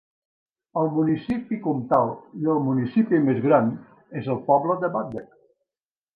El municipi comtal i el municipi més gran és el poble de Baddeck.